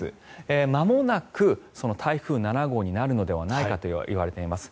まもなく台風７号になるのではないかといわれています。